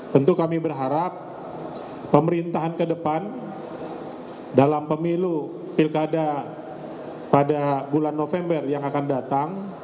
tentu kami berharap pemerintahan ke depan dalam pemilu pilkada pada bulan november yang akan datang